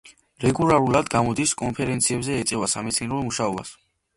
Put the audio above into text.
რეგულარულად გამოდის კონფერენციებზე, ეწევა სამეცნიერო მუშაობას.